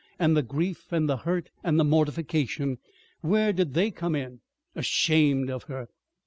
And the grief and the hurt and the mortification where did they come in? Ashamed of her!